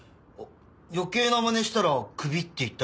余計な真似したらクビって言ったけど。